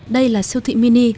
đây là siêu thị mini